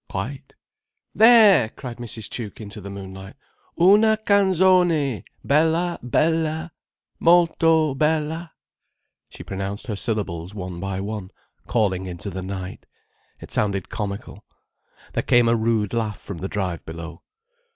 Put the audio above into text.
"Quite." "There!" cried Mrs. Tuke, into the moonlight. "Una canzone bella bella—molto bella—" She pronounced her syllables one by one, calling into the night. It sounded comical. There came a rude laugh from the drive below.